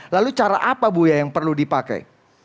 lalu cara apa bu ya yang perlu dipakai